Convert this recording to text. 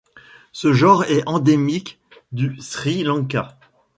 Ce genre est endémique du Sri Lanka.